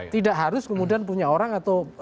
tidak harus kemudian punya orang atau